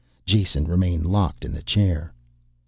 Jason remained locked in the chair.